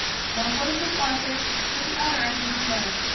One voice was Arthur's, but the other I didn't know.